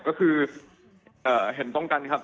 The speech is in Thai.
ก็คือเห็นตรงกันครับ